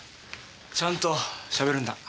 ちゃんとしゃべるんだ。